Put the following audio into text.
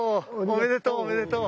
おめでとうおめでとう。